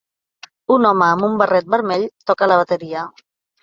Un home amb un barret vermell toca la bateria.